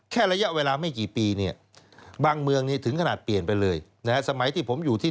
ระยะเวลาไม่กี่ปีเนี่ยบางเมืองนี้ถึงขนาดเปลี่ยนไปเลยนะฮะสมัยที่ผมอยู่ที่